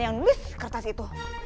yang nulis kertas itu